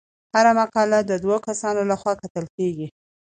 هره مقاله د دوه کسانو لخوا کتل کیږي.